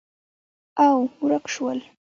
او، ورک شول